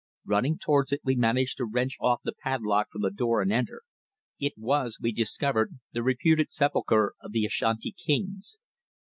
Running towards it we managed to wrench off the padlock from the door and enter. It was, we discovered, the reputed sepulchre of the Ashanti kings.